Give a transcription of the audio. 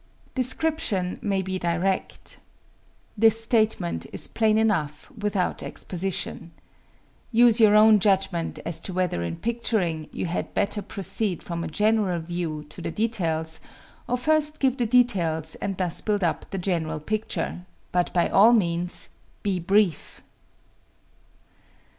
Description may be direct. This statement is plain enough without exposition. Use your own judgment as to whether in picturing you had better proceed from a general view to the details, or first give the details and thus build up the general picture, but by all means BE BRIEF.